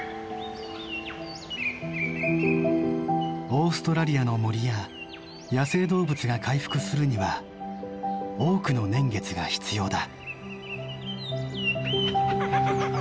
オーストラリアの森や野生動物が回復するには多くの年月が必要だ。